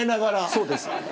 そうです。